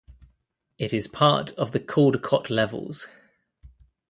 It is part of the Caldicot Levels.